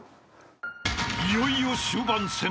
［いよいよ終盤戦］